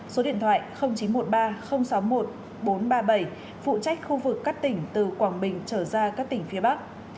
số điện thoại chín trăm một mươi ba sáu mươi một bốn trăm ba mươi bảy phụ trách khu vực các tỉnh từ quảng bình trở ra